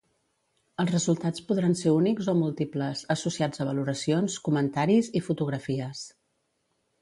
Els resultats podran ser únics o múltiples, associats a valoracions, comentaris i fotografies.